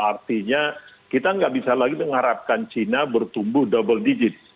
artinya kita nggak bisa lagi mengharapkan china bertumbuh double digit